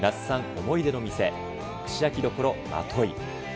思い出の店、串焼処まとい。